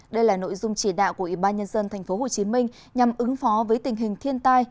đây là nội dung chỉ đạo của ủy ban nhân dân tp hcm nhằm ứng phó với tình hình thiên tai